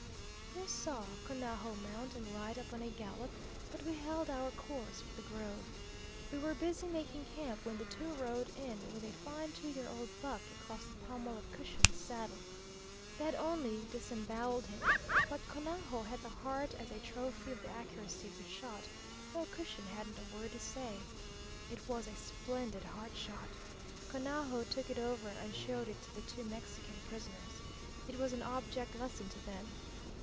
We saw Conajo mount and ride up on a gallop, but we held our course for the grove. We were busy making camp when the two rode in with a fine two year old buck across the pommel of Cushion's saddle. They had only disemboweled him, but Conajo had the heart as a trophy of the accuracy of the shot, though Cushion hadn't a word to say. It was a splendid heart shot. Conajo took it over and showed it to the two Mexican prisoners. It was an object lesson to them.